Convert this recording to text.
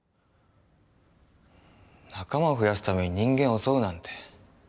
仲間を増やすために人間を襲うなんて。